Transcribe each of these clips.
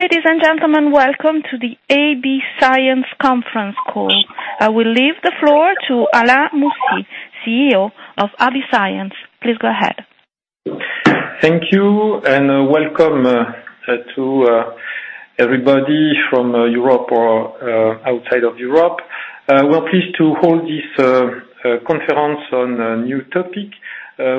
Ladies and gentlemen, welcome to the AB Science Conference Call. I will leave the floor to Alain Moussy, CEO of AB Science. Please go ahead. Thank you, and welcome to everybody from Europe or outside of Europe. We're pleased to hold this conference on a new topic,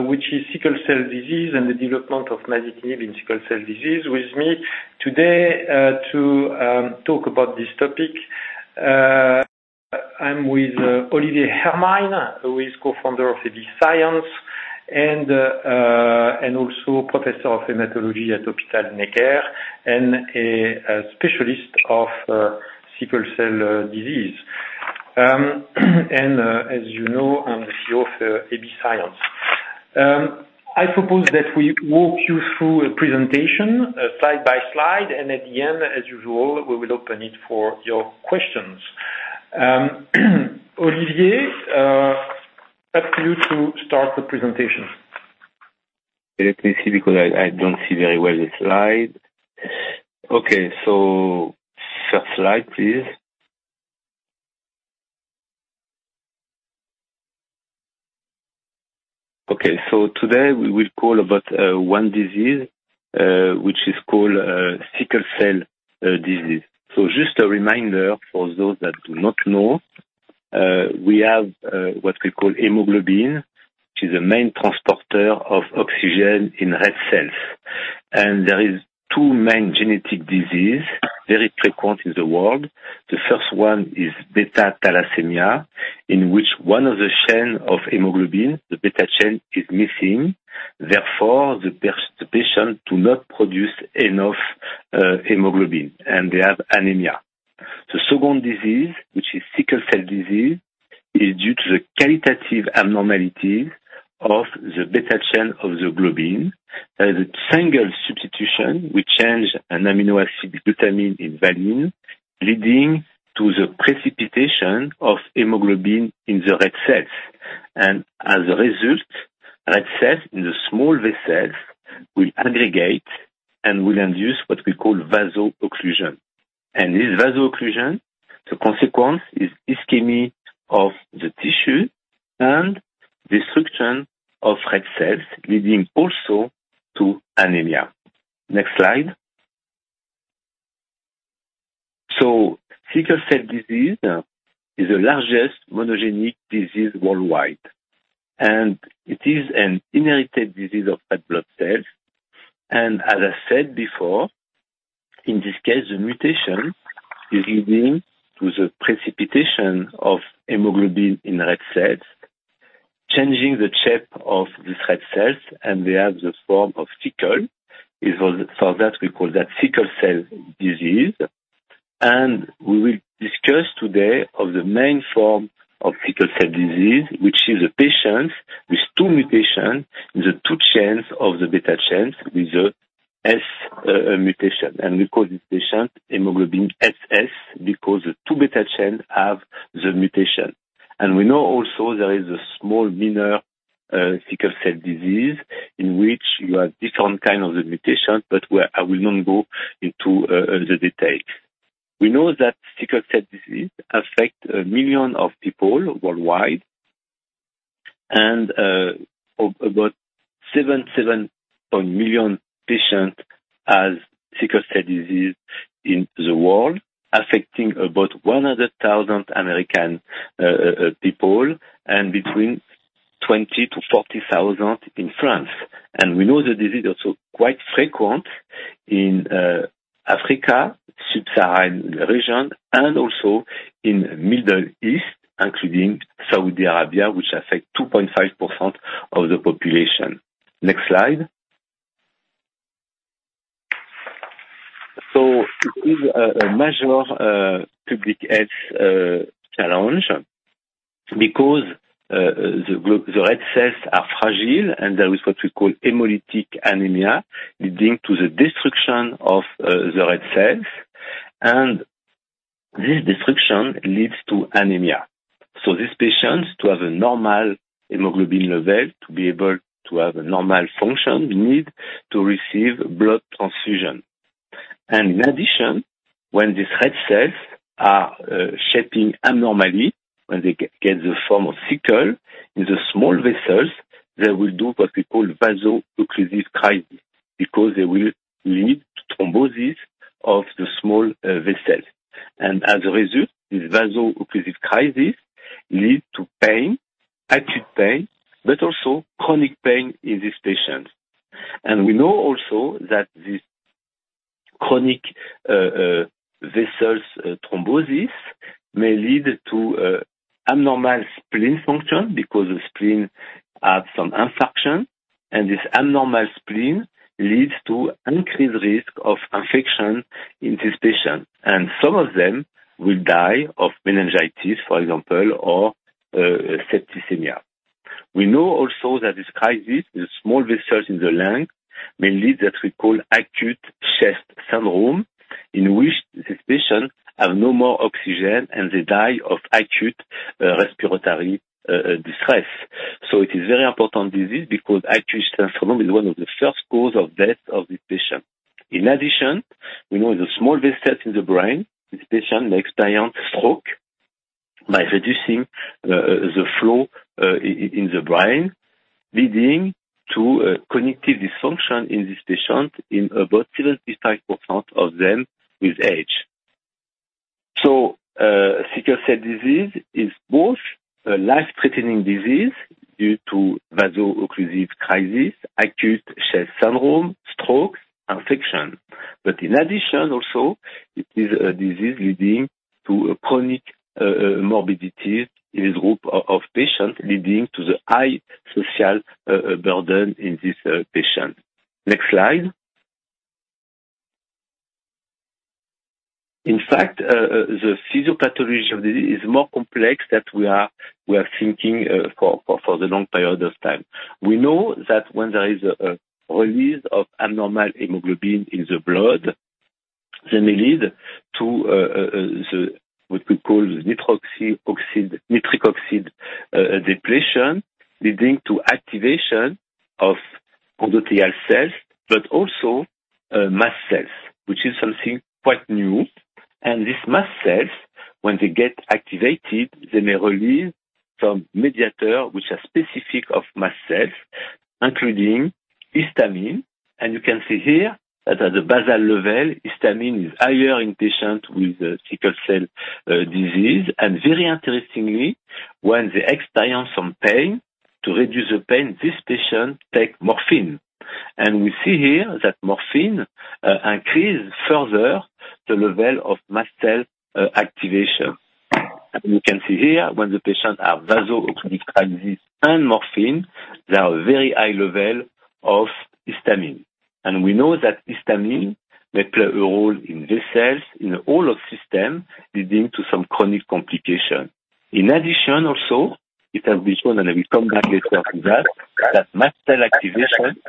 which is sickle cell disease and the development of masitinib in sickle cell disease. With me today to talk about this topic, I'm with Olivier Hermine, who is co-founder of AB Science and also professor of hematology at Hôpital Necker, and a specialist of sickle cell disease. As you know, I'm the CEO of AB Science. I propose that we walk you through a presentation slide by slide, and at the end, as usual, we will open it for your questions. Olivier, up to you to start the presentation. Let me see, because I don't see very well the slide. Okay, so first slide, please. Okay, so today we will call about one disease, which is called sickle cell disease. So just a reminder for those that do not know, we have what we call hemoglobin, which is the main transporter of oxygen in red cells. And there is two main genetic disease very frequent in the world. The first one is beta-thalassemia, in which one of the chain of hemoglobin, the beta chain, is missing, therefore, the patient do not produce enough hemoglobin, and they have anemia. The second disease, which is sickle cell disease, is due to the qualitative abnormalities of the beta chain of the globin. There is a single substitution which change an amino acid, glutamine and valine, leading to the precipitation of hemoglobin in the red cells. And as a result, red cells in the small vessels will aggregate and will induce what we call vaso-occlusion. And this vaso-occlusion, the consequence is ischemia of the tissue and destruction of red cells, leading also to anemia. Next slide. So sickle cell disease is the largest monogenic disease worldwide, and it is an inherited disease of red blood cells. And as I said before, in this case, the mutation is leading to the precipitation of hemoglobin in red cells, changing the shape of these red cells, and they have the form of sickle. It's for that, we call that sickle cell disease. We will discuss today of the main form of sickle cell disease, which is a patient with two mutations in the two chains of the beta chains with a S mutation. We call this mutation hemoglobin SS, because the two beta chain have the mutation. We know also there is a small minor sickle cell disease in which you have different kind of the mutation, but where I will not go into the detail. We know that sickle cell disease affect million of people worldwide, and about 7.7 million patients has sickle cell disease in the world, affecting about 100,000 American people and between 20,000-40,000 in France. We know the disease is also quite frequent in Africa, Sub-Saharan region, and also in Middle East, including Saudi Arabia, which affect 2.5% of the population. Next slide. It is a major public health challenge because the red cells are fragile, and there is what we call hemolytic anemia, leading to the destruction of the red cells. And this destruction leads to anemia. So these patients, to have a normal hemoglobin level, to be able to have a normal function, need to receive blood transfusion. And in addition, when these red cells are shaping abnormally, when they get the form of sickle, in the small vessels, they will do what we call vaso-occlusive crisis, because they will lead to thrombosis of the small vessels. As a result, this vaso-occlusive crisis lead to pain, acute pain, but also chronic pain in these patients. We know also that this chronic vessels thrombosis may lead to abnormal spleen function, because the spleen adds some infection, and this abnormal spleen leads to increased risk of infection in this patient, and some of them will die of meningitis, for example, or septicemia. We know also that this crisis, the small vessels in the lung, may lead what we call acute chest syndrome, in which the patient have no more oxygen and they die of acute respiratory distress. It is very important disease because acute chest syndrome is one of the first cause of death of this patient. In addition, we know the small vessels in the brain, this patient may experience stroke by reducing the flow in the brain, leading to cognitive dysfunction in this patient in about 50%-60% of them with age. So, sickle cell disease is both a life-threatening disease due to vaso-occlusive crisis, acute chest syndrome, stroke, infection. But in addition, also, it is a disease leading to chronic morbidity in this group of patients, leading to the high social burden in this patient. Next slide. In fact, the pathophysiology of the disease is more complex that we are thinking for the long period of time. We know that when there is a release of abnormal hemoglobin in the blood, then it lead to the what we call nitric oxide, nitric oxide depression, leading to activation of endothelial cells, but also mast cells, which is something quite new. And these mast cells, when they get activated, they may release some mediator, which are specific of mast cells, including histamine. And you can see here that at the basal level, histamine is higher in patients with sickle cell disease. And very interestingly, when they experience some pain, to reduce the pain, these patients take morphine. And we see here that morphine increase further the level of mast cell activation. And we can see here, when the patients have vaso-occlusive crisis and morphine, there are very high level of histamine. We know that histamine may play a role in these cells, in the whole of system, leading to some chronic complication. In addition, also, it has been shown, and we come back later to that, that mast cell activation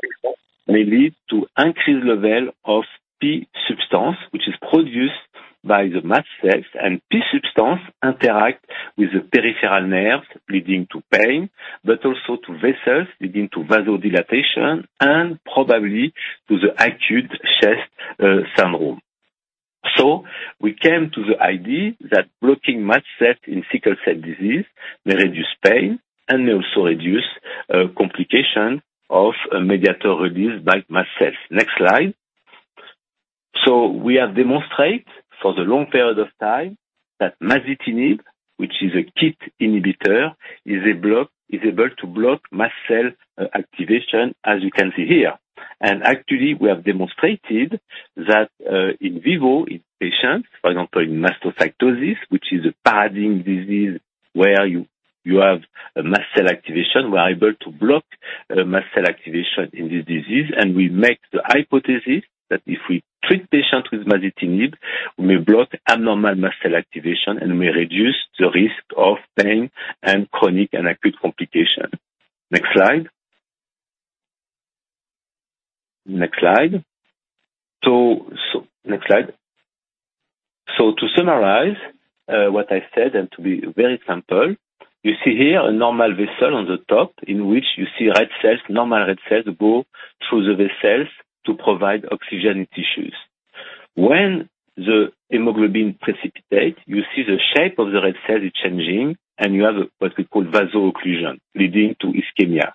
may lead to increased level of P substance, which is produced by the mast cells. And P substance interact with the peripheral nerves leading to pain, but also to vessels leading to vasodilation, and probably to the acute chest syndrome. We came to the idea that blocking mast cells in sickle cell disease may reduce pain and may also reduce complication of a mediator released by mast cells. Next slide. We have demonstrate for the long period of time that masitinib, which is a KIT inhibitor, is able to block mast cell activation, as you can see here. Actually, we have demonstrated that in vivo, in patients, for example, in mastocytosis, which is a mast cell disease, where you have a mast cell activation, we are able to block the mast cell activation in this disease. We make the hypothesis that if we treat patients with masitinib, we may block abnormal mast cell activation and may reduce the risk of pain and chronic and acute complication. Next slide. Next slide. So next slide. To summarize, what I said, and to be very simple, you see here a normal vessel on the top, in which you see red cells. Normal red cells go through the vessels to provide oxygen in tissues. When the hemoglobin precipitate, you see the shape of the red cell is changing, and you have what we call vaso-occlusion, leading to ischemia.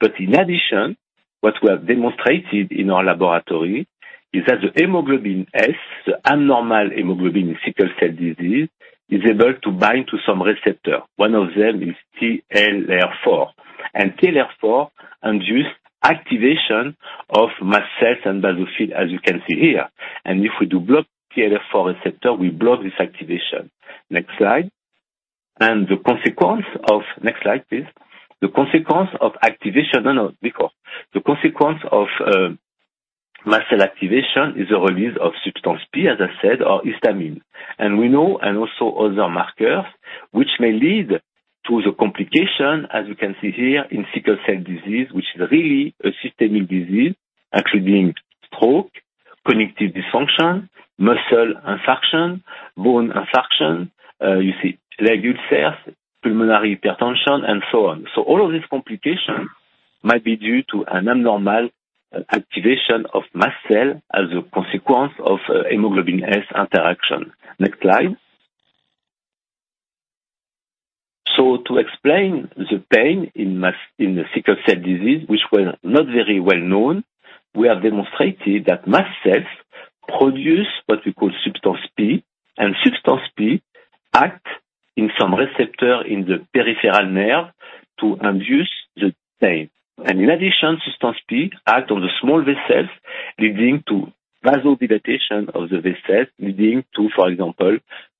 But in addition, what we have demonstrated in our laboratory is that the hemoglobin S, the abnormal hemoglobin in sickle cell disease, is able to bind to some receptor. One of them is TLR4. And TLR4 induce activation of mast cells and basophil, as you can see here. And if we do block TLR4 receptor, we block this activation. Next slide. And the consequence of... Next slide, please. The consequence of activation, no, no, before. The consequence of mast cell activation is a release of substance P, as I said, or histamine. And we know, and also other markers, which may lead to the complication, as you can see here, in sickle cell disease, which is really a systemic disease, actually being stroke, cognitive dysfunction, muscle infarction, bone infarction, you see leg ulcers, pulmonary hypertension, and so on. So all of these complications might be due to an abnormal activation of mast cell as a consequence of hemoglobin S interaction. Next slide. So to explain the pain in the sickle cell disease, which were not very well known, we have demonstrated that mast cells produce what we call substance P, and substance P act in some receptor in the peripheral nerve to induce the pain. And in addition, substance P act on the small vessels, leading to vasodilatation of the vessels, leading to, for example,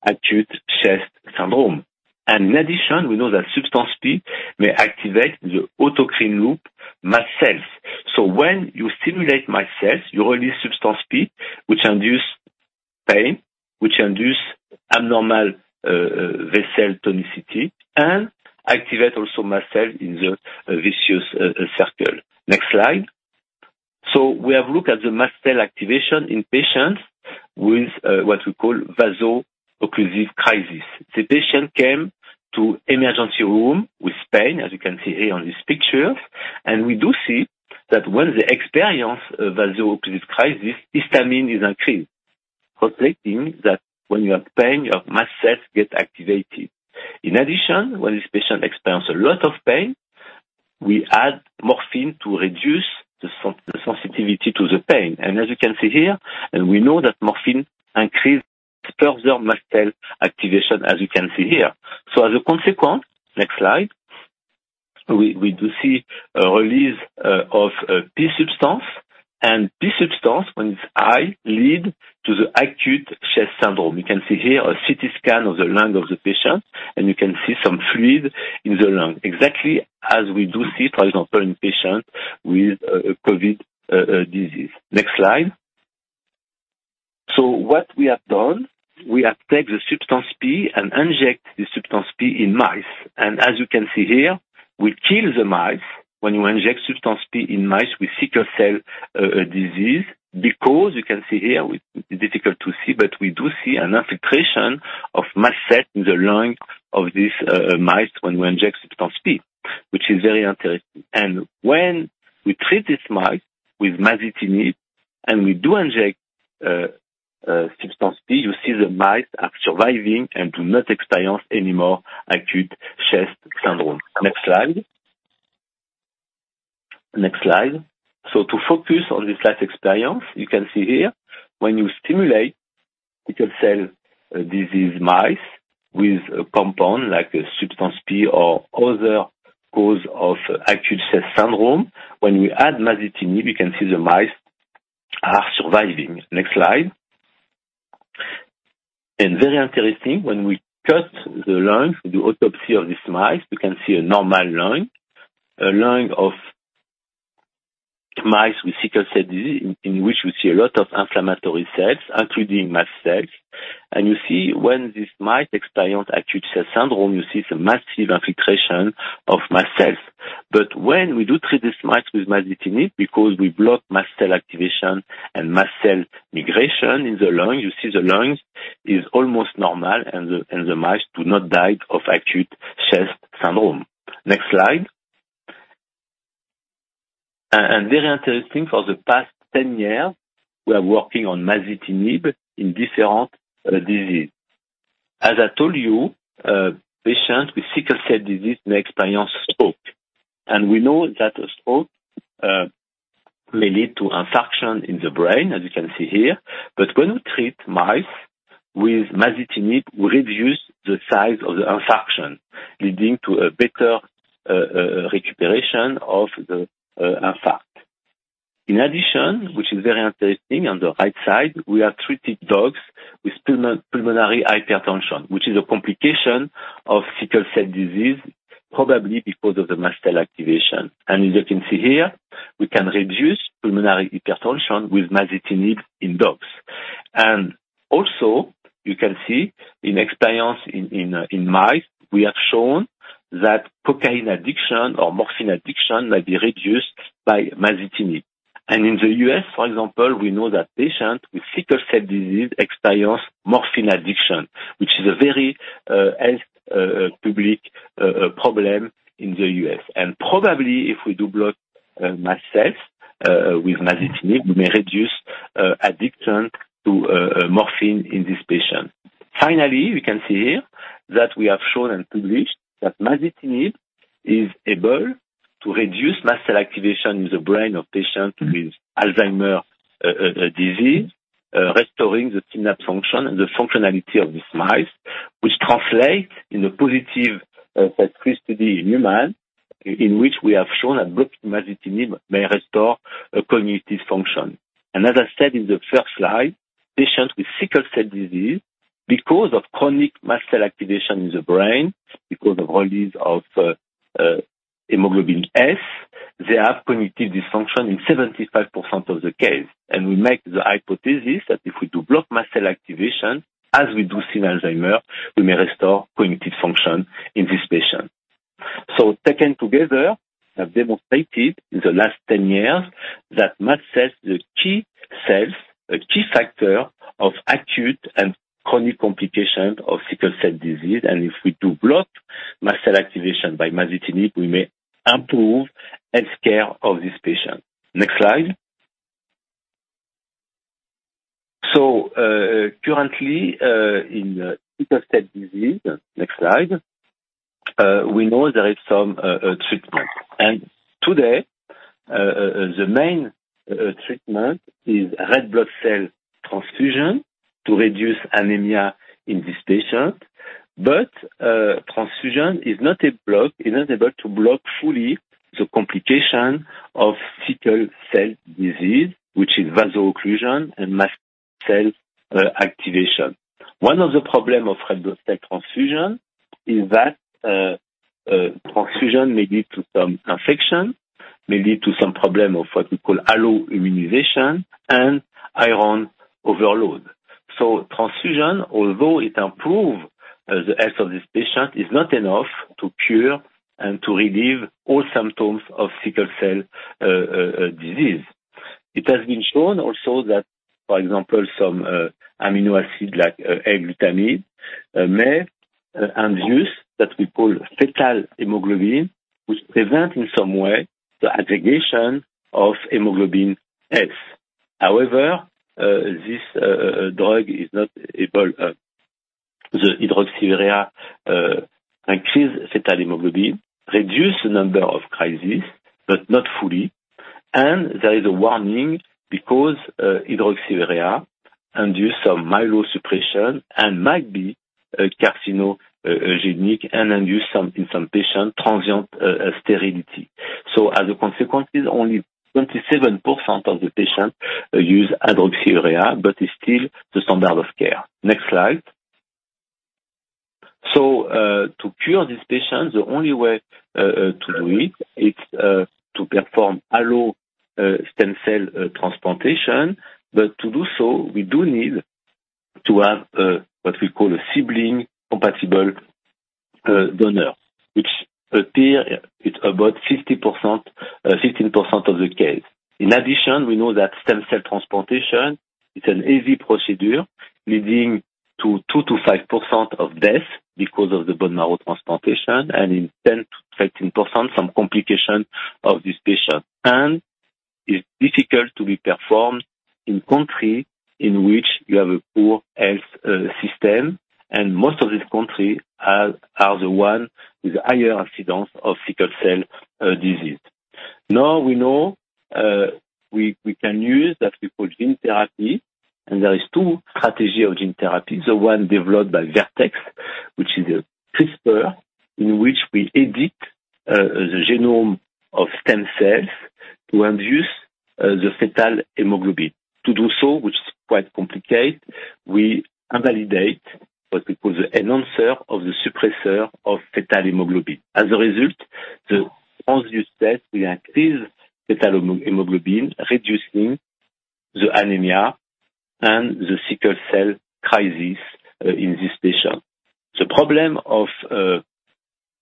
acute chest syndrome. And in addition, we know that substance P may activate the autocrine loop mast cells. So when you stimulate mast cells, you release substance P, which induce pain, which induce abnormal vessel tonicity, and activate also mast cell in the vicious cycle. Next slide. So we have looked at the mast cell activation in patients with what we call vaso-occlusive crisis. The patient came to emergency room with pain, as you can see here on this picture, and we do see that when they experience a vaso-occlusive crisis, histamine is increased, reflecting that when you have pain, your mast cells get activated. In addition, when the patient experience a lot of pain, we add morphine to reduce the sensitivity to the pain. And as you can see here, and we know that morphine increase further mast cell activation, as you can see here. So as a consequence, next slide. We do see a release of substance P, and substance P when it's high lead to the acute chest syndrome. You can see here a CT scan of the lung of the patient, and you can see some fluid in the lung, exactly as we do see, for example, in patient with a COVID disease. Next slide. So what we have done, we have taken the substance P and inject the substance P in mice. And as you can see here, we kill the mice when you inject substance P in mice with sickle cell disease, because you can see here with, difficult to see, but we do see an infiltration of mast cell in the lung of this mice when we inject substance P, which is very interesting. And when we treat this mice with masitinib and we do inject substance P, you see the mice are surviving and do not experience any more acute chest syndrome. Next slide. Next slide. So to focus on this last experience, you can see here, when you stimulate sickle cell disease mice with a compound like a substance P or other cause of acute chest syndrome, when we add masitinib, we can see the mice are surviving. Next slide. And very interesting, when we cut the lung, we do autopsy of this mice, we can see a normal lung. A lung of mice with sickle cell disease, in which we see a lot of inflammatory cells, including mast cells. And you see when this mice experience acute chest syndrome, you see the massive infiltration of mast cells. But when we do treat this mice with masitinib, because we block mast cell activation and mast cell migration in the lung, you see the lung is almost normal, and the mice do not die of acute chest syndrome. Next slide. Very interesting, for the past 10 years, we are working on masitinib in different disease. As I told you, patients with sickle cell disease may experience stroke, and we know that a stroke may lead to infarction in the brain, as you can see here. But when we treat mice with masitinib, we reduce the size of the infarction, leading to a better recuperation of the infarct. In addition, which is very interesting, on the right side, we have treated dogs with pulmonary hypertension, which is a complication of sickle cell disease, probably because of the mast cell activation. And as you can see here, we can reduce pulmonary hypertension with masitinib in dogs. And also, you can see in experience in, in, in mice, we have shown that cocaine addiction or morphine addiction might be reduced by masitinib. In the US, for example, we know that patients with sickle cell disease experience morphine addiction, which is a very public health problem in the U.S. And probably if we do block mast cells with masitinib, we may reduce addiction to morphine in this patient. Finally, we can see here that we have shown and published that masitinib is able to reduce mast cell activation in the brain of patients with Alzheimer's disease, restoring the synapse function and the functionality of this mice, which translate in a positive toxicity in human, in which we have shown that masitinib may restore cognitive function. As I said in the first slide, patients with sickle cell disease, because of chronic mast cell activation in the brain, because of release of hemoglobin S, they have cognitive dysfunction in 75% of the case. We make the hypothesis that if we do block mast cell activation, as we do see in Alzheimer's, we may restore cognitive function in this patient. Taken together, we have demonstrated in the last 10 years that mast cells, the key cells, a key factor of acute and chronic complications of sickle cell disease, and if we do block mast cell activation by masitinib, we may improve health care of this patient. Next slide. Currently, in sickle cell disease, next slide, we know there is some treatment. Today, the main treatment is red blood cell transfusion to reduce anemia in this patient. But transfusion is not able to block fully the complication of sickle cell disease, which is vaso-occlusion and mast cell activation. One of the problem of red blood cell transfusion is that, transfusion may lead to some infection, may lead to some problem of what we call alloimmunization and iron overload. So transfusion, although it improve the health of this patient, is not enough to cure and to relieve all symptoms of sickle cell disease. It has been shown also that, for example, some amino acid like L-glutamine may induce what we call fetal hemoglobin, which prevent in some way the aggregation of hemoglobin S. However, this drug is not able, the hydroxyurea, increase fetal hemoglobin, reduce the number of crisis, but not fully, and there is a warning because, hydroxyurea induce some myelosuppression and might be a carcinogenic and induce some, in some patients, transient sterility. So as a consequence, only 27% of the patients use hydroxyurea, but it's still the standard of care. Next slide. So, to cure this patient, the only way to do it is, to perform allo stem cell transplantation. But to do so, we do need to have, what we call a sibling-compatible donor, which appear it's about 50%, 15% of the case. In addition, we know that stem cell transplantation is an easy procedure, leading to 2%-5% of death because of the bone marrow transplantation, and in 10%-15%, some complications of this patient. It's difficult to be performed in country in which you have a poor health system, and most of these countries have, are the one with higher incidence of sickle cell disease. Now we know we can use that we call gene therapy, and there is 2 strategy of gene therapy. The one developed by Vertex, which is a CRISPR, in which we edit the genome of stem cells to induce the fetal hemoglobin. To do so, which is quite complicated, we invalidate what we call the enhancer of the suppressor of fetal hemoglobin. As a result, the ones you set, we increase fetal hemoglobin, reducing the anemia and the sickle cell crisis in this patient. The problem of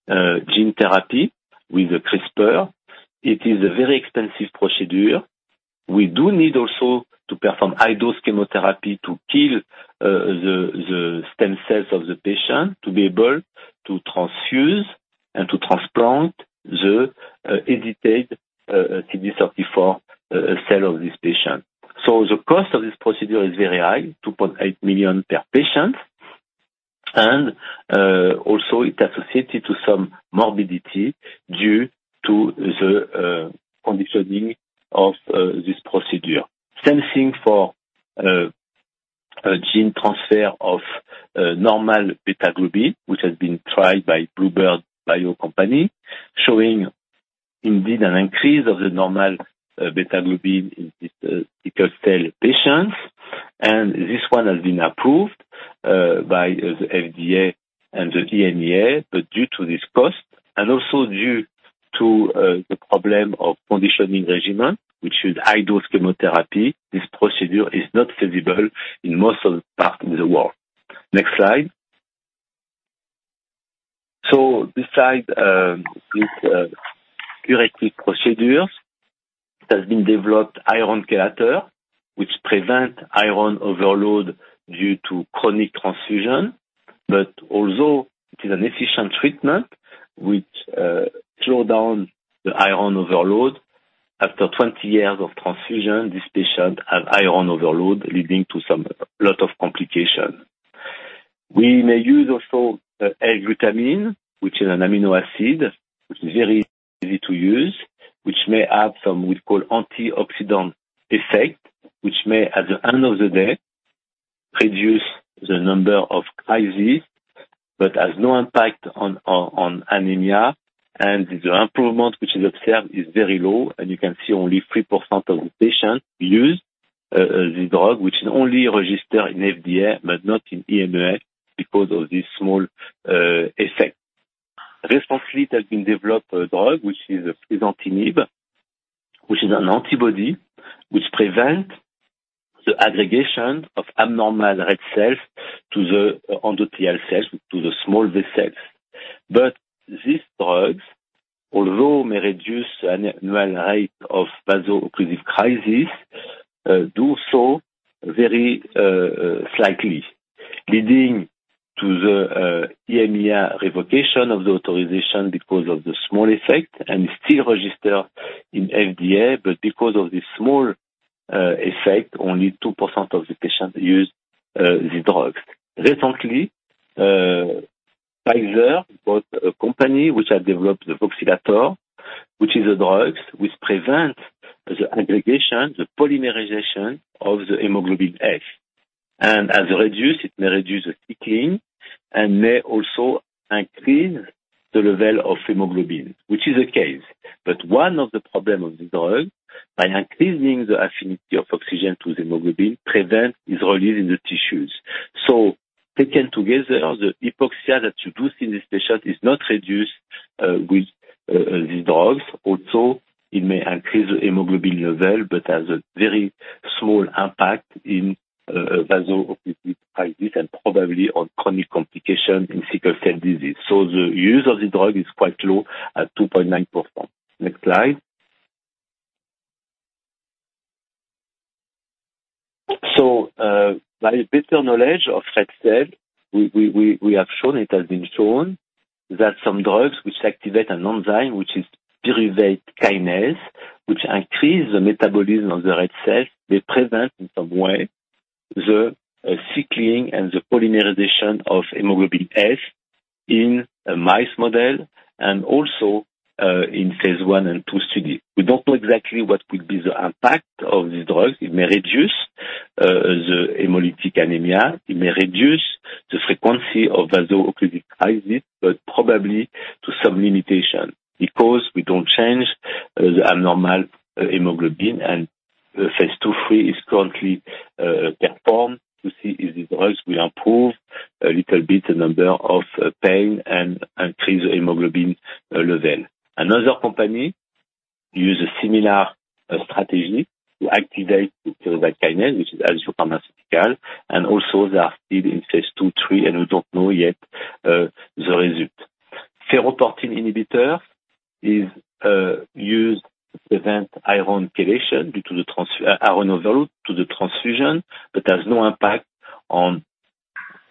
gene therapy with the CRISPR, it is a very expensive procedure. We do need also to perform high-dose chemotherapy to kill the stem cells of the patient to be able to transfuse and to transplant the edited CD34 cell of this patient. So the cost of this procedure is very high, $2.8 million per patient, and also it associated to some morbidity due to the conditioning of this procedure. Same thing for gene transfer of normal beta globin, which has been tried by bluebird bio company, showing indeed an increase of the normal beta globin in this sickle cell patients. This one has been approved by the FDA and the EMA, but due to this cost, and also due to the problem of conditioning regimen, which is high-dose chemotherapy, this procedure is not feasible in most of parts of the world. Next slide. Besides these curative procedures, it has been developed iron chelator, which prevent iron overload due to chronic transfusion. Although it is an efficient treatment which slow down the iron overload, after 20 years of transfusion, this patient have iron overload, leading to some, a lot of complications. We may use also L-glutamine, which is an amino acid, which is very easy to use, which may have some, we call, antioxidant effect, which may, at the end of the day, reduce the number of crises, but has no impact on anemia. And the improvement, which is observed, is very low, and you can see only 3% of the patients use the drug, which is only registered in FDA but not in EMA because of this small effect. Recently, has been developed a drug, which is crizanlizumab, which is an antibody which prevent the aggregation of abnormal red cells to the endothelial cells, to the small vessel. But these drugs, although may reduce annual rate of vaso-occlusive crisis, do so very slightly, leading to the EMA revocation of the authorization because of the small effect, and is still registered in FDA. But because of the small effect, only 2% of the patients use the drugs. Recently, Pfizer bought a company which had developed the voxelotor, which is a drugs which prevents the aggregation, the polymerization of the hemoglobin S. As reduced, it may reduce the sickling and may also increase the level of hemoglobin, which is a case. But one of the problem of the drug, by increasing the affinity of oxygen to the hemoglobin, prevent its release in the tissues... So taken together, the hypoxia that you do see in this patient is not reduced with these drugs. Also, it may increase the hemoglobin level, but has a very small impact in vaso-occlusive crisis and probably on chronic complications in sickle cell disease. So the use of the drug is quite low at 2.9%. Next slide. So, by better knowledge of red cell, we have shown it has been shown that some drugs which activate an enzyme, which is pyruvate kinase, which increase the metabolism of the red cell, they prevent, in some way, the sickling and the polymerization of hemoglobin S in a mice model and also, in phases 1 and 2 study. We don't know exactly what could be the impact of the drug. It may reduce, the hemolytic anemia, it may reduce the frequency of vaso-occlusive crisis, but probably to some limitation because we don't change, the abnormal hemoglobin. And the phase 2,3 is currently, performed to see if the drugs will improve a little bit the number of pain and increase the hemoglobin, level. Another company use a similar strategy to activate the pyruvate kinase, which is Agios Pharmaceuticals, and also they are still in phase 2, 3, and we don't know yet the result. Ferroportin inhibitor is used to prevent iron overload due to the transfusion, but has no impact on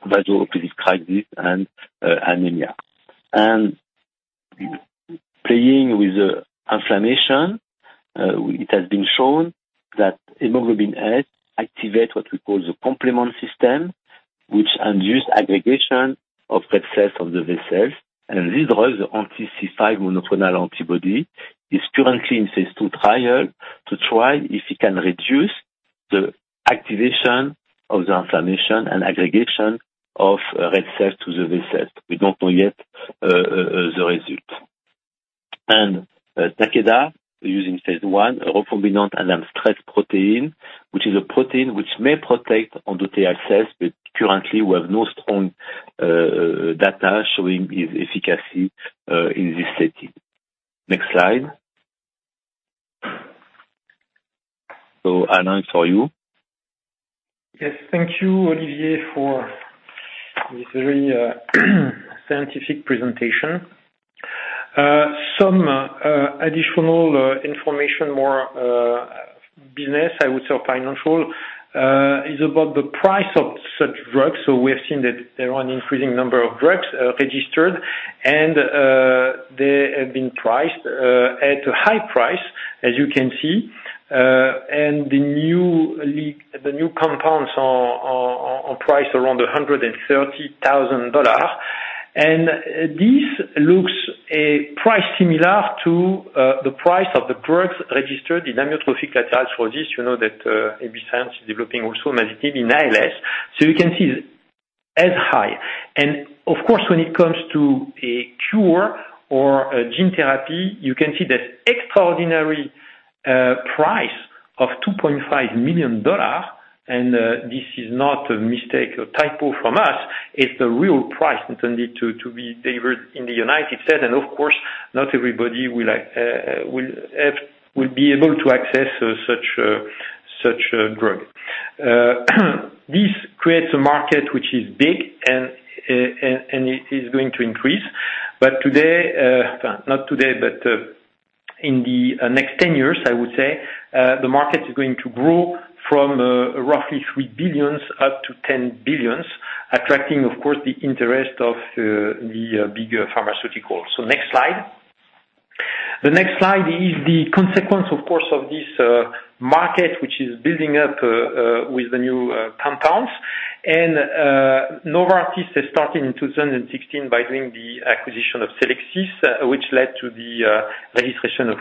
vaso-occlusive crisis and anemia. Playing with the inflammation, it has been shown that hemoglobin S activate what we call the complement system, which induce aggregation of red cells on the vessels. This drug, the anti-C5 monoclonal antibody, is currently in phase 2 trial to try if it can reduce the activation of the inflammation and aggregation of red cells to the vessels. We don't know yet the result. Takeda, using phase one recombinant ADAMTS13 protein, which is a protein which may protect endothelial cells, but currently we have no strong data showing its efficacy in this setting. Next slide. So Alain, for you. Yes, thank you, Olivier, for this very scientific presentation. Some additional information, more business, I would say, or financial, is about the price of such drugs. So we have seen that there are an increasing number of drugs registered, and they have been priced at a high price, as you can see. And the new compounds are priced around $130,000. And this looks a price similar to the price of the drugs registered in amyotrophic lateral sclerosis. You know, that AB Science is developing also Masitinib in ALS, so you can see it's as high. And of course, when it comes to a cure or a gene therapy, you can see the extraordinary price of $2.5 million. And, this is not a mistake or typo from us. It's the real price intended to be favored in the United States. And of course, not everybody will like, will have-- will be able to access, such a drug. This creates a market which is big and, and it is going to increase. But today, not today, but, in the next 10 years, I would say, the market is going to grow from, roughly $3 billion up to $10 billion, attracting, of course, the interest of, the bigger pharmaceuticals. So next slide. The next slide is the consequence, of course, of this, market, which is building up, with the new, compounds. Novartis has started in 2016 by doing the acquisition of Selexys, which led to the registration of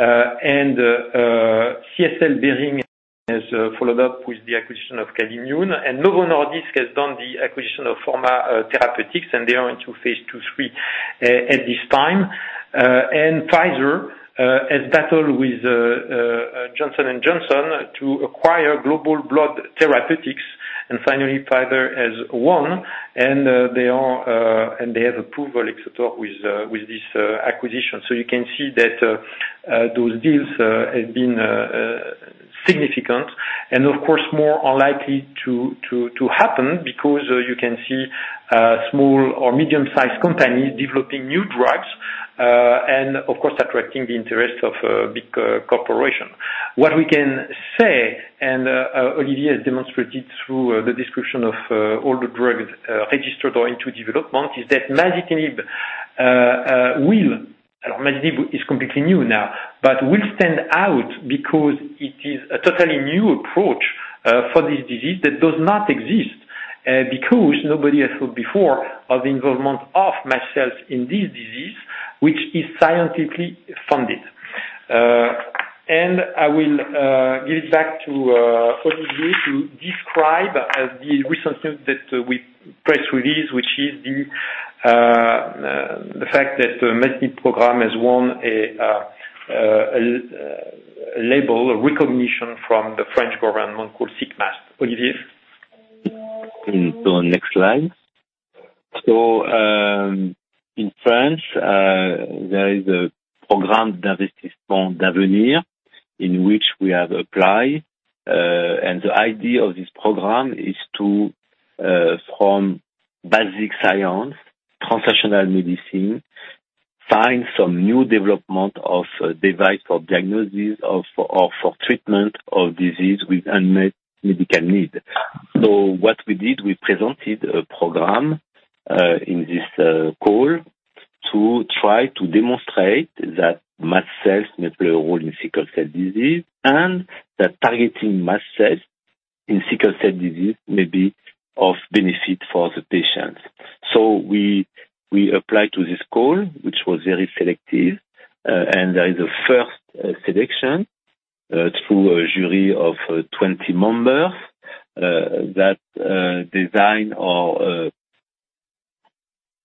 crizanlizumab. CSL Behring has followed up with the acquisition of Calimmune, and Novo Nordisk has done the acquisition of Forma Therapeutics, and they are into phase 2, 3 at this time. Pfizer has battled with Johnson & Johnson to acquire Global Blood Therapeutics. Finally, Pfizer has won, and they have approval, et cetera, with this acquisition. So you can see that those deals have been significant and of course, more are likely to happen because you can see small or medium-sized companies developing new drugs and of course attracting the interest of a big corporation. What we can say, and Olivier has demonstrated through the description of all the drugs registered or into development, is that Masitinib will Masitinib is completely new now, but will stand out because it is a totally new approach for this disease that does not exist because nobody has thought before of the involvement of mast cells in this disease, which is scientifically funded. And I will give it back to Olivier to describe the recent news that we press release, which is the- ... the fact that the masitinib program has won a label, a recognition from the French government called SICKMAST. Olivier? Go next slide. So, in France, there is a Programme d'Investissements d'Avenir, in which we have applied. And the idea of this program is to form basic science, translational medicine, find some new development of a device for diagnosis of, or for treatment of disease with unmet medical need. So what we did, we presented a program, in this call to try to demonstrate that mast cells may play a role in sickle cell disease, and that targeting mast cells in sickle cell disease may be of benefit for the patients. So we applied to this call, which was very selective, and there is a first selection through a jury of 20 members, that designate or,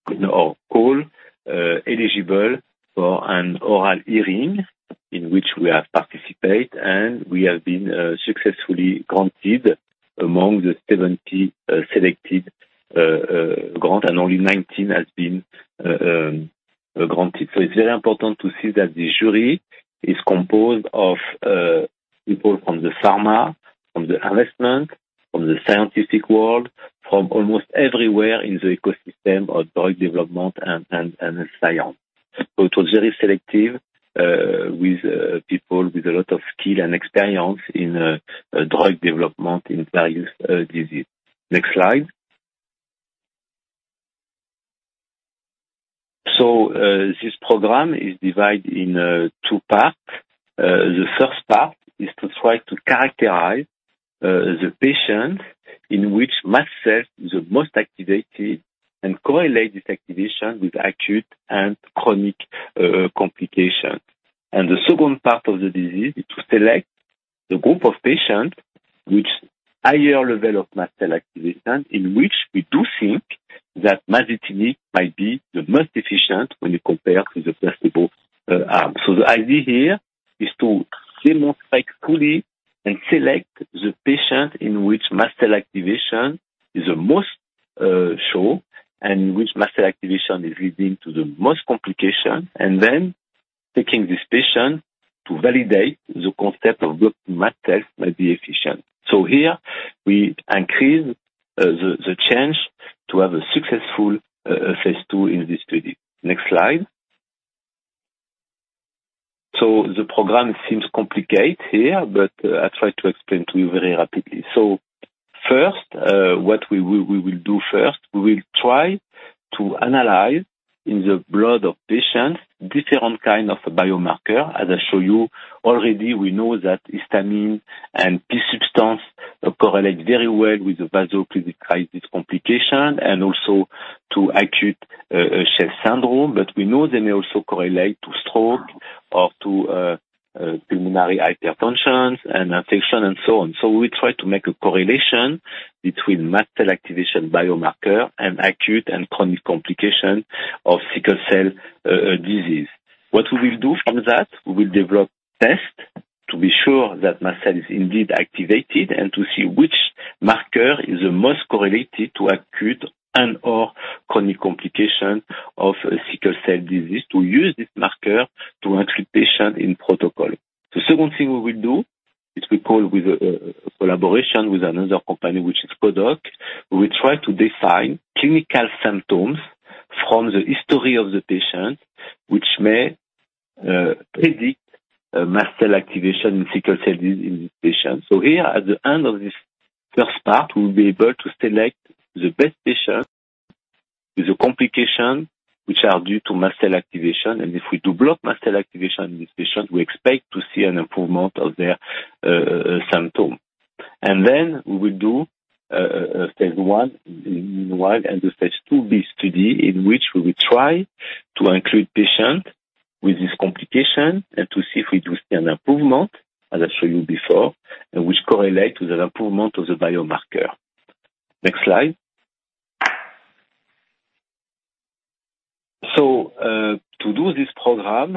you know, call eligible for an oral hearing in which we have participate. We have been successfully granted among the 70 selected, and only 19 has been granted. It's very important to see that the jury is composed of people from the pharma, from the investment, from the scientific world, from almost everywhere in the ecosystem of drug development and science. It was very selective with people with a lot of skill and experience in drug development in various diseases. Next slide. This program is divided in two parts. The first part is to try to characterize the patient in which mast cells is the most activated and correlate this activation with acute and chronic complications. The second part of the disease is to select the group of patients with higher level of mast cell activation, in which we do think that masitinib might be the most efficient when you compare to the first people. So the idea here is to demonstrate fully and select the patient in which mast cell activation is the most shown, and which mast cell activation is leading to the most complication, and then taking this patient to validate the concept of what mast cell might be efficient. So here we increase the chance to have a successful phase two in this study. Next slide. So the program seems complicated here, but I'll try to explain to you very rapidly. So first, what we will do first, we will try to analyze in the blood of patients different kind of biomarker. As I show you, already we know that histamine and substance P correlate very well with the vaso-occlusive crisis complication, and also to acute chest syndrome. But we know they may also correlate to stroke or to pulmonary hypertension and infection and so on. So we try to make a correlation between mast cell activation biomarker and acute and chronic complication of sickle cell disease. What we will do from that, we will develop tests to be sure that mast cell is indeed activated, and to see which marker is the most correlated to acute and/or chronic complication of sickle cell disease, to use this marker to entry patient in protocol. The second thing we will do is we collaborate with a collaboration with another company, which is Predilife. We try to define clinical symptoms from the history of the patient, which may predict mast cell activation in sickle cell disease in this patient. So here, at the end of this first part, we will be able to select the best patient with the complications which are due to mast cell activation. And if we develop mast cell activation in this patient, we expect to see an improvement of their symptom. And then we will do a phase 1 and the phase 2B study, in which we will try to include patient with this complication and to see if we do see an improvement, as I showed you before, and which correlate with the improvement of the biomarker. Next slide. So, to do this program,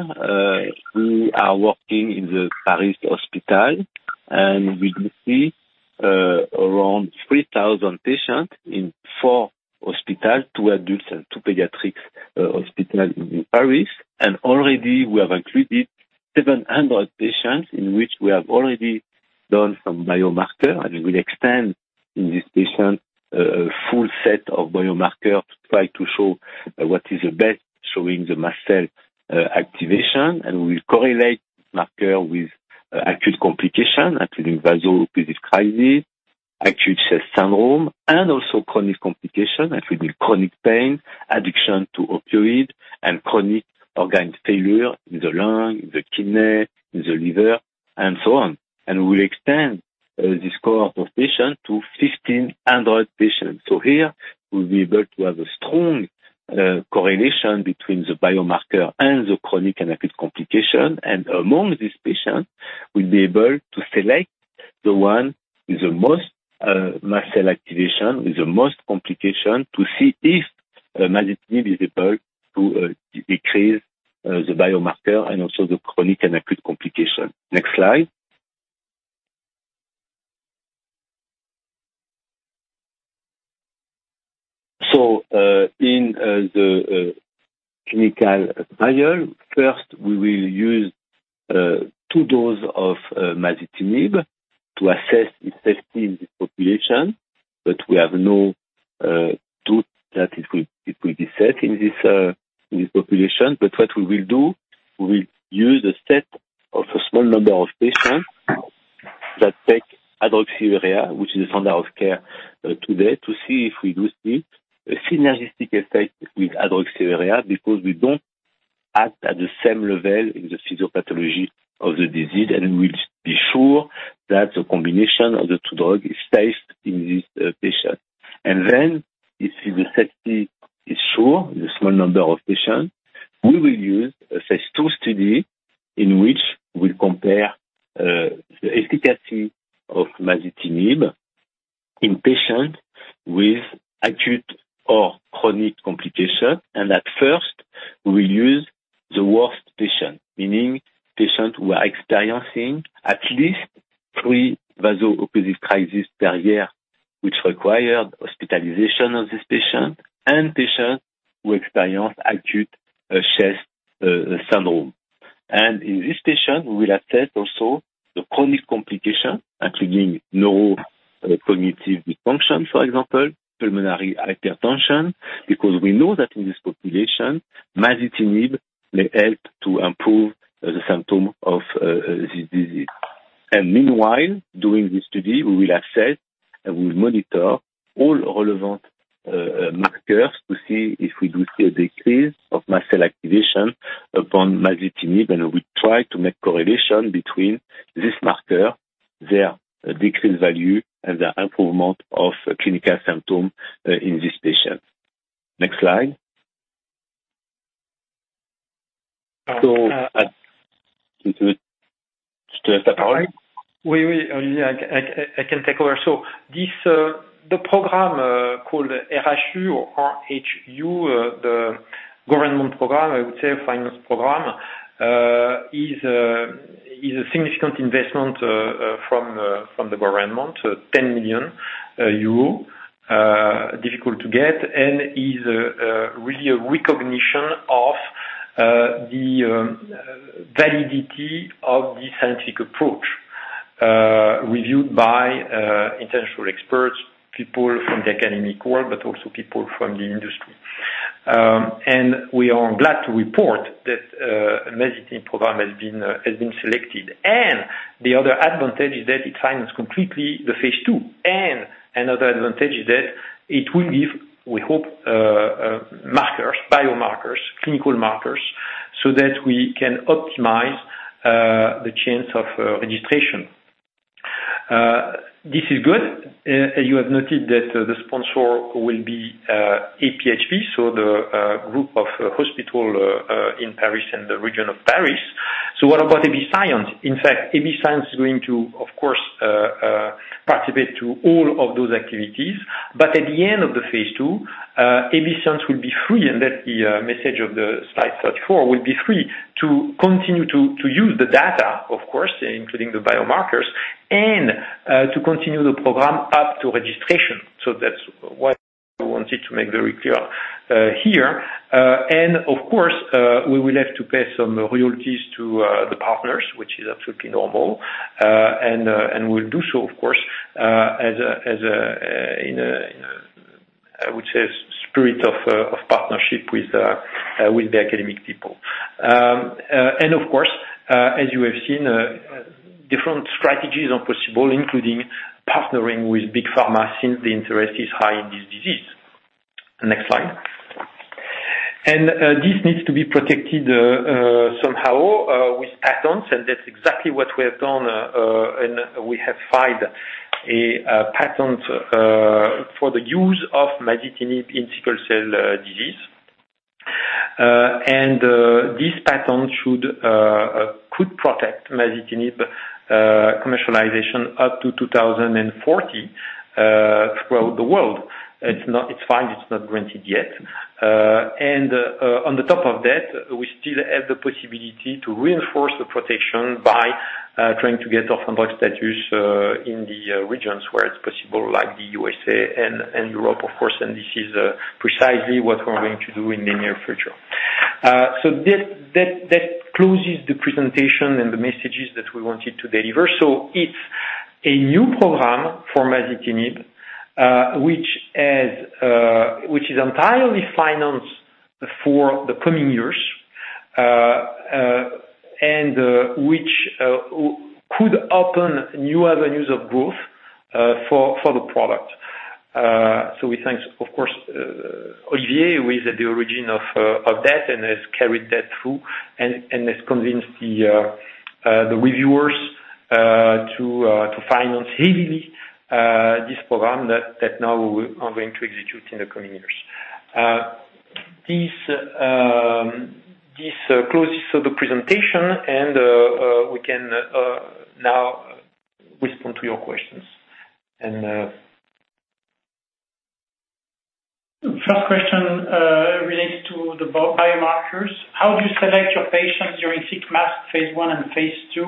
we are working in the Paris Hospital, and we will see around 3,000 patients in 4 hospitals, 2 adults and 2 pediatrics hospitals in Paris. And already we have included 700 patients, in which we have already done some biomarker, and we extend in this patient a full set of biomarker to try to show what is the best showing the mast cell activation. And we will correlate marker with acute complication, including vaso-occlusive crisis, acute chest syndrome, and also chronic complication, that will be chronic pain, addiction to opioid, and chronic organ failure in the lung, in the kidney, in the liver, and so on. And we extend this cohort of patients to 1,500 patients. So here we'll be able to have a strong correlation between the biomarker and the chronic and acute complication. And among these patients, we'll be able to select the one with the most mast cell activation, with the most complication, to see if masitinib is able to decrease the biomarker and also the chronic and acute complication. Next slide. So in the clinical trial, first, we will use two dose of masitinib to assess its safety in this population, but we have no doubt that it will, it will be safe in this population. But what we will do, we will use a set of a small number of patients that take hydroxyurea, which is the standard of care, today, to see if we do see a synergistic effect with hydroxyurea, because we don't act at the same level in the physiopathology of the disease. And we'll be sure that the combination of the two drug is safe in this, patient. And then, if the safety is sure, the small number of patients, we will use a phase two study, in which we'll compare, the efficacy of masitinib in patient with acute or chronic complication. And at first, we'll use the worst patient, meaning patient who are experiencing at least three vaso-occlusive crisis per year, which required hospitalization of this patient and patient who experience acute chest, syndrome. And in this patient, we will assess also the chronic complication, including neurocognitive dysfunction, for example, pulmonary hypertension. Because we know that in this population, masitinib may help to improve the symptom of this disease. And meanwhile, during this study, we will assess and we'll monitor all relevant markers to see if we do see a decrease of mast cell activation upon masitinib. And we try to make correlation between this marker, their decreased value, and the improvement of clinical symptom in this patient. Next slide. So, Olivier? I can take over. So this, the program, called RHU or RHU, the government program, I would say, finance program, is a, is a significant investment, from, from the government, 10 million euro. Difficult to get, and is really a recognition of, the validity of the scientific approach. Reviewed by, international experts, people from the academic world, but also people from the industry. And we are glad to report that, masitinib program has been, has been selected. And the other advantage is that it finances completely the phase two. And another advantage is that it will give, we hope, markers, biomarkers, clinical markers, so that we can optimize, the chance of, registration. This is good, and you have noted that the sponsor will be AP-HP, so the group of hospital in Paris and the region of Paris. So what about AB Science? In fact, AB Science is going to, of course, participate to all of those activities. But at the end of the phase 2, AB Science will be free, and that's the message of the slide 34, will be free to continue to use the data, of course, including the biomarkers, and to continue the program up to registration. So that's what I wanted to make very clear here. And of course, we will have to pay some royalties to the partners, which is absolutely normal. We'll do so, of course, in a spirit of partnership with the academic people. Of course, as you have seen, different strategies are possible, including partnering with Big Pharma, since the interest is high in this disease. Next slide. This needs to be protected somehow with patents, and that's exactly what we have done. We have filed a patent for the use of masitinib in sickle cell disease. This patent could protect masitinib commercialization up to 2040 throughout the world. It's not—It's fine. It's not granted yet. On top of that, we still have the possibility to reinforce the protection by trying to get orphan drug status in the regions where it's possible, like the U.S.A. and Europe, of course, and this is precisely what we are going to do in the near future. So that closes the presentation and the messages that we wanted to deliver. So it's a new program for masitinib, which is entirely financed for the coming years, and which could open new avenues of growth for the product. So we thank, of course, Olivier, who is at the origin of that and has carried that through, and has convinced the reviewers to finance heavily this program that now we are going to execute in the coming years. This closes the presentation, and we can now respond to your questions. First question, relates to the biomarkers. How do you select your patients during SICKMAST phase 1 and phase 2,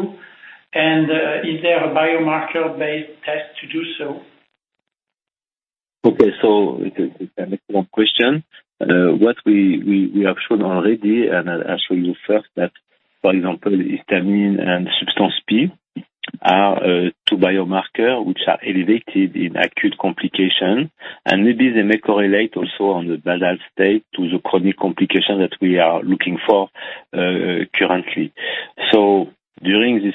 and, is there a biomarker-based test to do so? Okay, so it's an excellent question. What we have shown already, and I'll show you first that, for example, histamine and substance P are two biomarker which are elevated in acute complication, and maybe they may correlate also on the basal state to the chronic complication that we are looking for, currently. So during this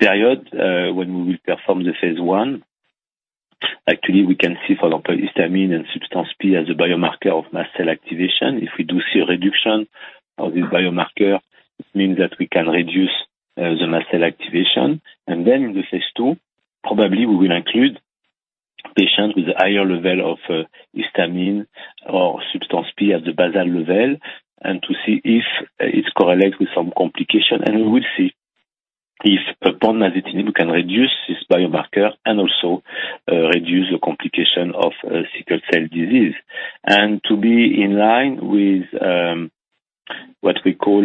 first period, when we will perform the phase one, actually we can see, for example, histamine and substance P as a biomarker of mast cell activation. If we do see a reduction of the biomarker, it means that we can reduce the mast cell activation. And then in the phase two, probably we will include patients with a higher level of histamine or substance P at the basal level, and to see if it correlates with some complication. And we will see if upon masitinib, we can reduce this biomarker and also, reduce the complication of, sickle cell disease. To be in line with, what we call,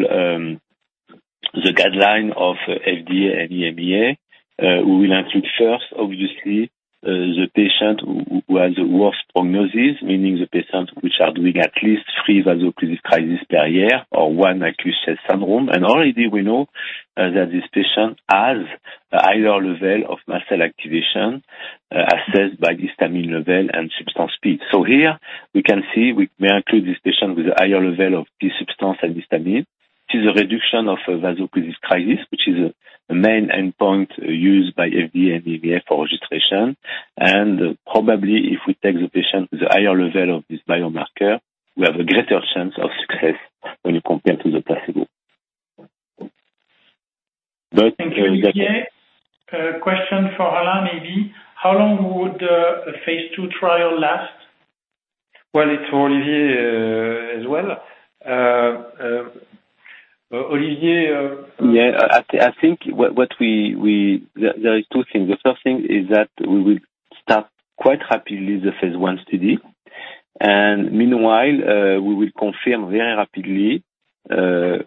the guideline of FDA and EMA, we will include first, obviously, the patient who, who has the worst prognosis, meaning the patients which are doing at least three vaso-occlusive crises per year or one acute chest syndrome. And already we know, that this patient has a higher level of mast cell activation, assessed by the histamine level and substance P. So here we can see, we may include this patient with a higher level of substance P and histamine, which is a reduction of vaso-occlusive crisis, which is the main endpoint used by FDA and EMA for registration. Probably if we take the patient with a higher level of this biomarker, we have a greater chance of success when you compare to the placebo. But- Thank you, Pierre. A question for Alain, maybe. How long would the phase 2 trial last? Well, it's for Olivier, as well. Olivier, Yeah, I think what we... There is two things. The first thing is that we will start quite rapidly the phase one study, and meanwhile, we will confirm very rapidly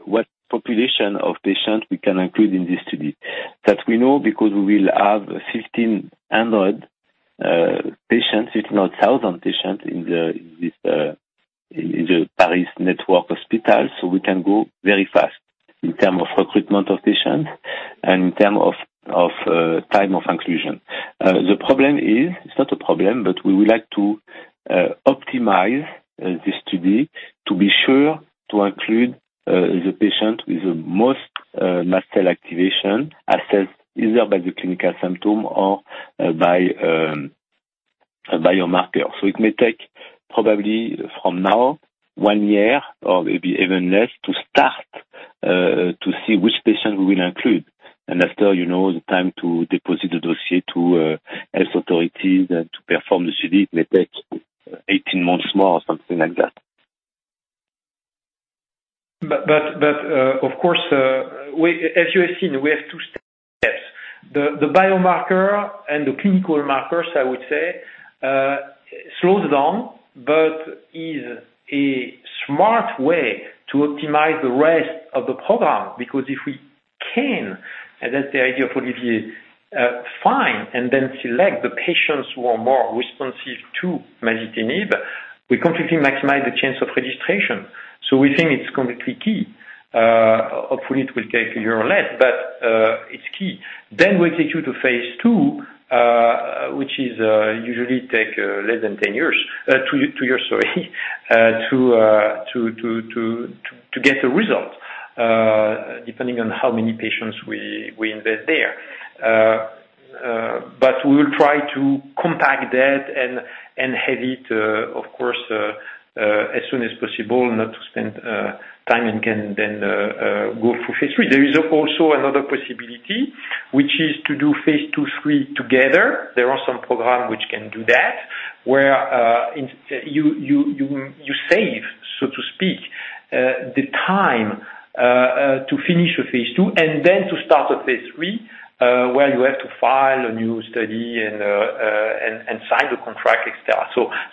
what population of patients we can include in this study. That we know because we will have 1,500 patients, if not 1,000 patients, in the Paris network hospital. So we can go very fast in term of recruitment of patients and in term of time of inclusion. The problem is, it's not a problem, but we would like to optimize this study to be sure to include the patient with the most mast cell activation, assessed either by the clinical symptom or by a biomarker. It may take probably from now, 1 year, or maybe even less, to start to see which patient we will include. After, you know, the time to deposit the dossier to health authorities and to perform the study, it may take 18 months more, or something like that. But, of course, as you have seen, we have 2 steps. The biomarker and the clinical markers, I would say, slows down, but is a smart way to optimize the rest of the program. Because if we can, and that's the idea for this year, find and then select the patients who are more responsive to masitinib, we completely maximize the chance of registration. So we think it's completely key. Hopefully it will take 1 year or less, but it's key. Then we take you to phase 2, which is usually take less than 10 years, 2 years, sorry, to get the results, depending on how many patients we invest there. But we will try to compact that and have it, of course, as soon as possible, not to spend time and can then go through phase three. There is also another possibility, which is to do phase two, three together. There are some programs which can do that, where you save, so to speak, the time to finish with phase two and then to start a phase three, where you have to file a new study and sign the contract, et cetera.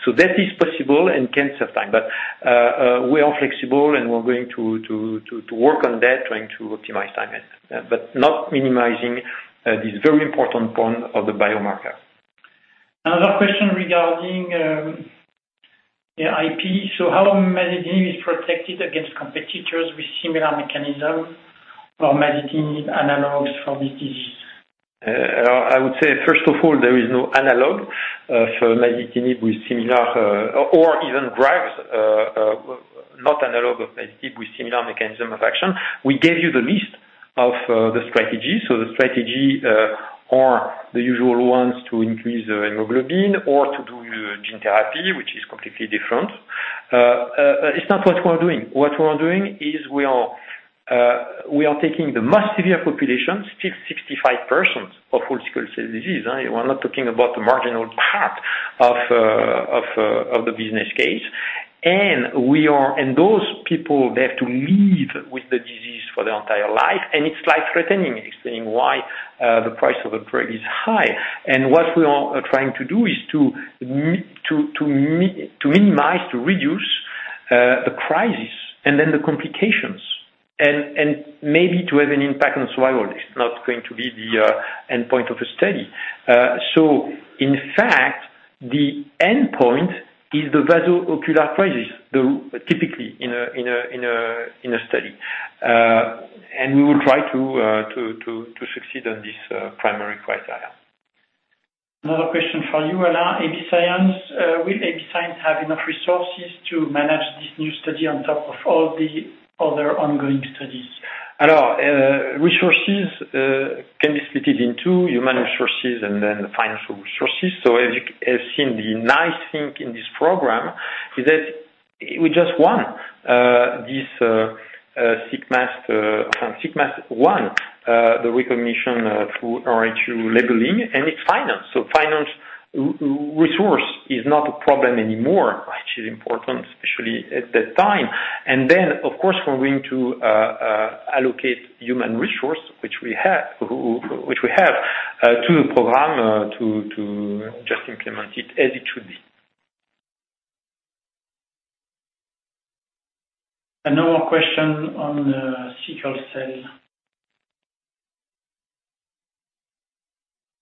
So that is possible and can save time, but we are flexible and we're going to work on that, trying to optimize time, but not minimizing this very important point of the biomarker. Another question regarding the IP. So how masitinib is protected against competitors with similar mechanism or masitinib analogies for this disease? I would say, first of all, there is no analog for masitinib with similar, or even drugs, not analog of masitinib with similar mechanism of action. We gave you the list of the strategy. So the strategy are the usual ones to increase the hemoglobin or to do gene therapy, which is completely different. It's not what we are doing. What we are doing is we are taking the most severe population, still 65% of whole sickle cell disease, right? We're not talking about the marginal part of the business case. And those people, they have to live with the disease for their entire life, and it's life threatening. It's explaining why the price of a drug is high. What we are trying to do is to minimize, to reduce, the crisis and then the complications. And maybe to have an impact on survival. It's not going to be the endpoint of a study. So in fact, the endpoint is the vaso-occlusive crisis, the typical in a study. And we will try to succeed on this primary criteria. Another question for you, Alain. AB Science, will AB Science have enough resources to manage this new study on top of all the other ongoing studies? Alain, resources can be split it in two: human resources and then financial resources. So as you've seen, the nice thing in this program is that we just won this SICKMAST, SICKMAST won the recognition through RHU labeling, and it's financed. So financial resource is not a problem anymore, which is important, especially at that time. And then, of course, we're going to allocate human resource, which we have, which we have, to the program, to just implement it as it should be. Another question on the sickle cell.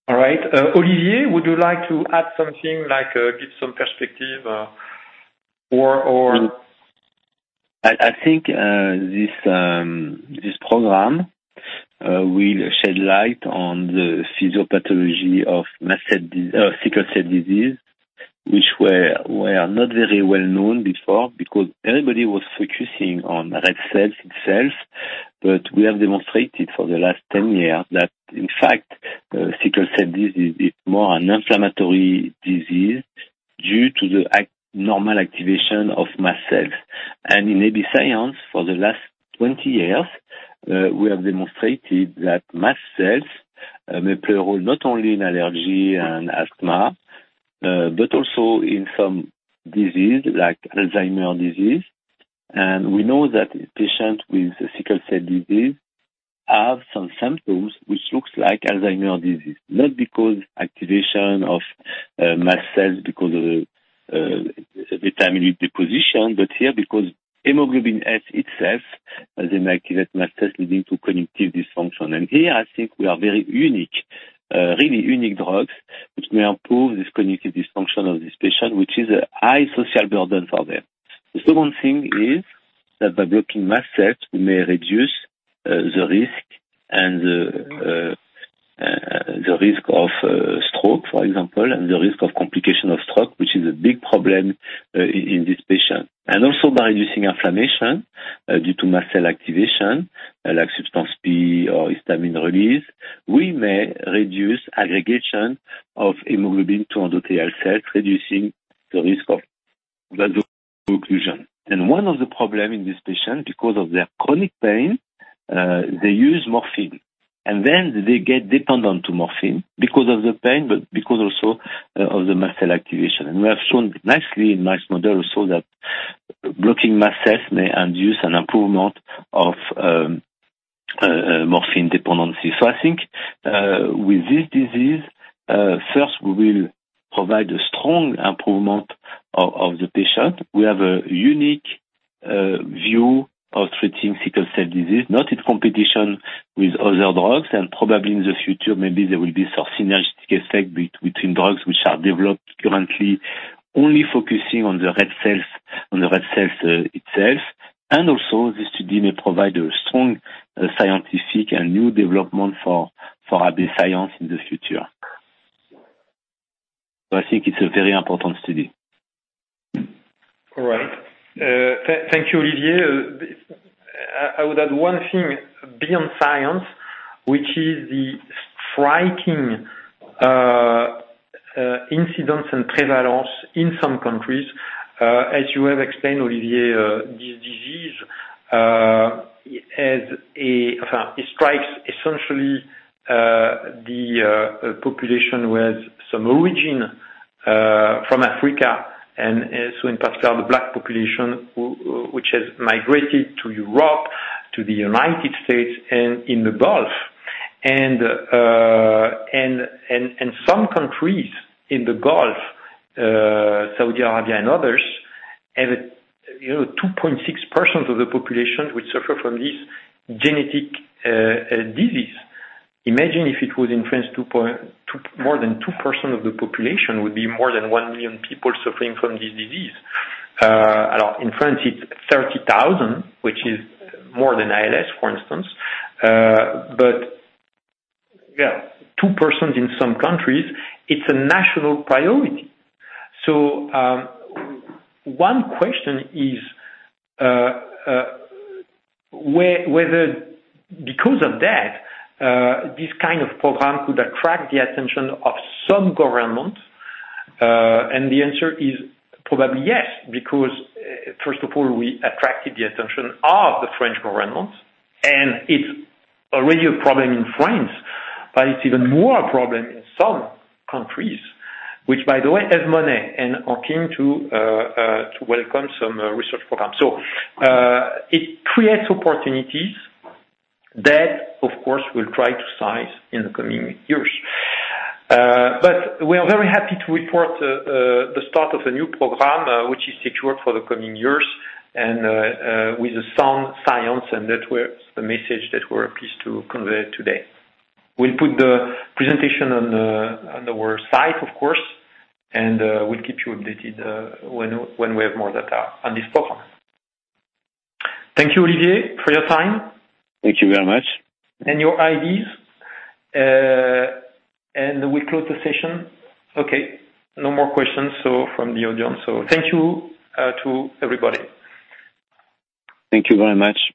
All right. Olivier, would you like to add something, like, give some perspective, or? I think this program will shed light on the pathophysiology of sickle cell disease, which were not very well known before, because everybody was focusing on red cells itself. But we have demonstrated for the last 10 years that, in fact, sickle cell disease is more an inflammatory disease due to the abnormal activation of mast cells. And in AB Science, for the last 20 years, we have demonstrated that mast cells may play a role, not only in allergy and asthma, but also in some disease like Alzheimer disease. And we know that patients with sickle cell disease have some symptoms which looks like Alzheimer disease, not because activation of mast cells, because of the amyloid position. But here, because hemoglobin S itself, as it might activate mast cells leading to cognitive dysfunction. Here I think we are very unique, really unique drugs, which may improve this cognitive dysfunction of this patient, which is a high social burden for them. The second thing is, that by blocking mast cells, we may reduce the risk of stroke, for example, and the risk of complication of stroke, which is a big problem in this patient. And also by reducing inflammation due to mast cell activation, like substance P or histamine release, we may reduce aggregation of hemoglobin to endothelial cells, reducing the risk of vaso-occlusion. One of the problems in this patient, because of their chronic pain, they use morphine, and then they get dependent to morphine because of the pain, but because also of the mast cell activation. We have shown nicely in mouse models, so that blocking mast cells may induce an improvement of morphine dependency. So I think, with this disease, first we will provide a strong improvement of the patient. We have a unique view of treating sickle cell disease, not in competition with other drugs. Probably in the future, maybe there will be some synergistic effect between drugs which are developed currently, only focusing on the red cells, on the red cells itself. Also, this study may provide a strong scientific and new development for AB Science in the future. I think it's a very important study. All right. Thank you, Olivier. I would add one thing beyond science, which is the striking incidence and prevalence in some countries. As you have explained, Olivier, this disease, it strikes essentially the population with some origin from Africa, and so in particular, the black population, which has migrated to Europe, to the United States, and in the Gulf. And some countries in the Gulf, Saudi Arabia and others, have, you know, 2.6% of the population which suffer from this genetic disease. Imagine if it was in France, more than 2% of the population would be more than 1 million people suffering from this disease. In France, it's 30,000, which is more than ALS, for instance. But yeah, 2% in some countries, it's a national priority. So, one question is, whether because of that, this kind of program could attract the attention of some governments. And the answer is probably yes, because, first of all, we attracted the attention of the French government, and it's already a problem in France. But it's even more a problem in some countries, which, by the way, have money and are keen to welcome some research programs. So, it creates opportunities that, of course, we'll try to seize in the coming years. But we are very happy to report the start of a new program, which is secured for the coming years and, with AB Science and networks, the message that we're pleased to convey today. We'll put the presentation on our site, of course, and we'll keep you updated when we have more data on this program. Thank you, Olivier, for your time. Thank you very much. And your ideas. And we close the session. Okay, no more questions, so from the audience, so thank you to everybody. Thank you very much.